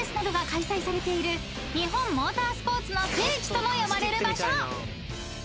開催されている日本モータースポーツの聖地とも呼ばれる場所］